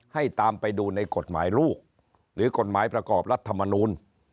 ให้ตามไปดูในกฎหมายลูกหรือกฎหมายประกอบรัฐมนูล